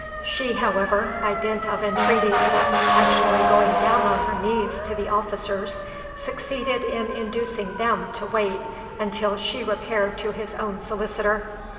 She, however, by dint of entreaties—actually going down upon her knees to the officers—succeeded in inducing them to wait while she repaired to his own solicitor.